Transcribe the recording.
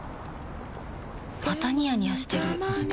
またニヤニヤしてるふふ。